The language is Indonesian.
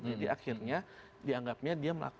jadi akhirnya dianggapnya dia